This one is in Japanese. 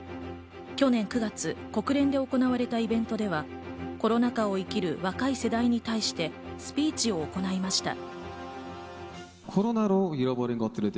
去年９月、国連で行われたイベントではコロナ禍を生きる若い世代に対してスピーチを行いました。